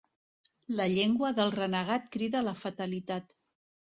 La llengua del renegat crida la fatalitat.